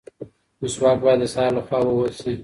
مسواک باید د سهار لخوا ووهل شي.